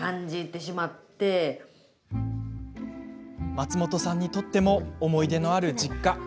松本さんにとっても思い出のある実家。